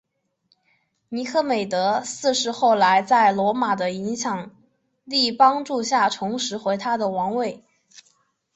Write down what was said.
尼科美德四世后来在罗马的影响力帮助下重拾回他的王位。